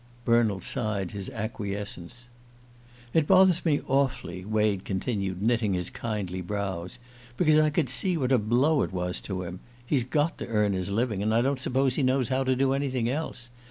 Bernald sighed his acquiescence. "It bothers me awfully," Wade continued, knitting his kindly brows, "because I could see what a blow it was to him. He's got to earn his living, and I don't suppose he knows how to do anything else.